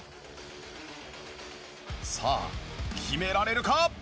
さあ決められるか！？